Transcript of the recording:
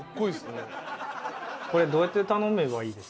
これどうやって頼めばいいですか？